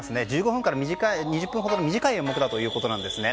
１５分から２０分ほどの短い演目ということです。